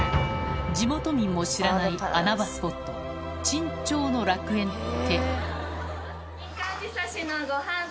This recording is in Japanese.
地元民も知らない穴場スポット珍鳥の楽園って？